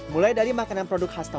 mulai dari makanan produk khas